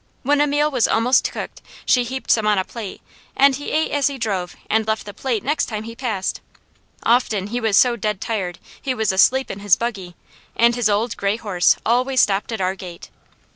When a meal was almost cooked she heaped some on a plate and he ate as he drove and left the plate next time he passed. Often he was so dead tired, he was asleep in his buggy, and his old gray horse always stopped at our gate.